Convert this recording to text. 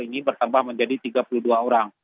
ini bertambah menjadi tiga puluh dua orang